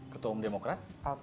ketua umum demokrat